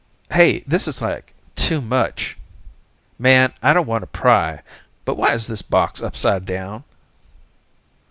Hey, this is like too much. Man, I don't want to pry, but why is this box upside down?"